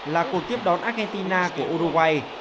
là cuộc tiếp đón argentina của uruguay